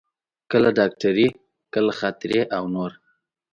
کله ډاکټري، کله خاطرې او نور.